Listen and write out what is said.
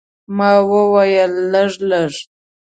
ما وویل، لږ، لږ.